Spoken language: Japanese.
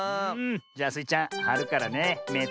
じゃあスイちゃんはるからねめとじててね。